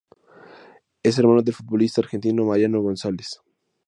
Es hermano del futbolista argentino Mariano González.